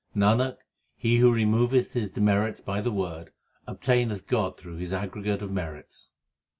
Nanak, he who removeth his demerits by the Word, obtaineth God through his aggregate of merits.